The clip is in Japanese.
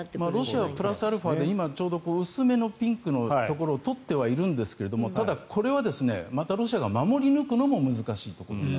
ロシアはプラスアルファで薄めのピンクのところを取ってはいるんですがただ、これはまたロシアが守り抜くのも難しいと。